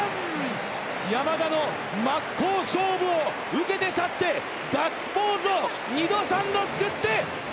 山田の真っ向勝負を受けて立って、ガッツポーズを２度、３度作って。